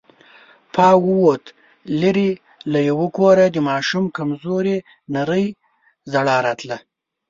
پاو ووت، ليرې له يوه کوره د ماشوم کمزورې نرۍ ژړا راتله.